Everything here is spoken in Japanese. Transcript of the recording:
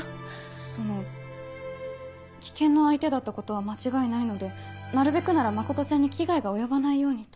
その危険な相手だったことは間違いないのでなるべくなら真ちゃんに危害が及ばないようにと。